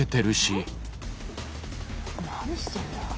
何してんだ？